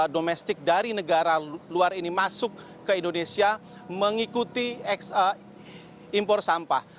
domestik dari negara luar ini masuk ke indonesia mengikuti impor sampah